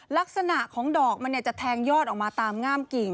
ลักษณะของดอกมันจะแทงยอดออกมาตามง่ามกิ่ง